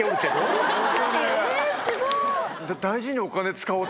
すごい。